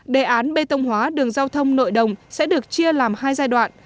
đề án bê tông hóa đường giao thông nội đồng sẽ được chia làm hai giai đoạn